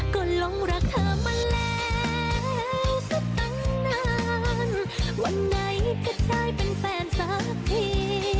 ก็ลงรักเธอมาแล้วสักตั้งนานวันไหนก็กลายเป็นแฟนสักที